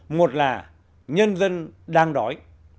một là nhân dân đang đói